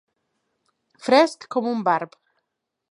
Fresc com un barb.